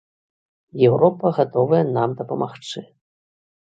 Еўропа гатовая нам дапамагчы.